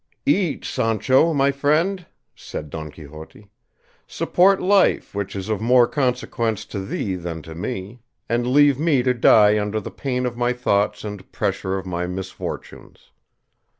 "Eat, Sancho my friend," said Don Quixote; "support life, which is of more consequence to thee than to me, and leave me to die under the pain of my thoughts and pressure of my misfortunes.